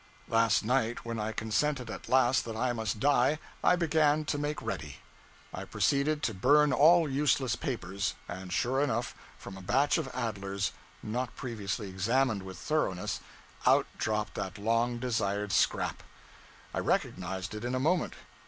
Last night, when I consented at last that I must die, I began to make ready. I proceeded to burn all useless papers; and sure enough, from a batch of Adler's, not previously examined with thoroughness, out dropped that long desired scrap! I recognized it in a moment.